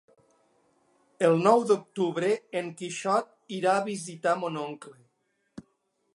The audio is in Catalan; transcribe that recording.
El nou d'octubre en Quixot irà a visitar mon oncle.